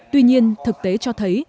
tuy nhiên thực tế cho thấy